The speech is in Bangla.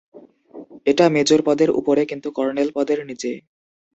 এটা মেজর পদের উপরে কিন্তু কর্নেল পদের নিচে।